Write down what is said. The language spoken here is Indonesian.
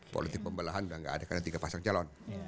politik pembelahan udah gak ada karena tiga pasang calon